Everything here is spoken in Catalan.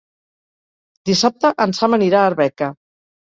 Dissabte en Sam anirà a Arbeca.